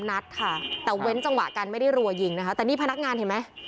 นัดค่ะแต่เว้นจังหวะกันไม่ได้รัวยิงนะคะแต่นี่พนักงานเห็นไหม